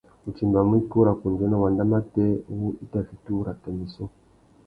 U timbamú ikú râ kundzénô ! wanda matê wu i tà fiti urrata na issú.